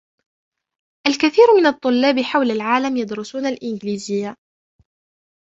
الكثير من الطلاب حول العالم يدرسون الإنجليزية.